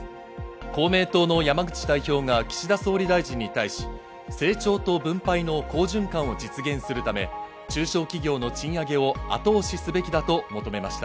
公明党の山口代表が岸田総理大臣に対し、成長と分配の好循環を実現するため、中小企業の賃上げを後押しすべきだと求めました。